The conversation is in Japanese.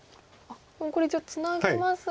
もうこれ一応ツナぎますが。